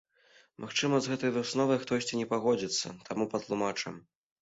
Магчыма, з гэтай высновай хтосьці не пагодзіцца, таму патлумачым.